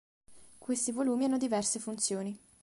Questi volumi hanno diverse funzioni.